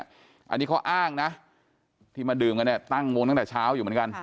อันนี้เขาอ้างนะที่มาดื่มกันเนี่ยตั้งวงตั้งแต่เช้าอยู่เหมือนกัน